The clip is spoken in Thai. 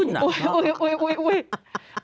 หน่อยพอ